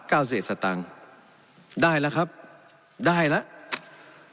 ก้าวเศษตังได้แล้วครับได้แล้ว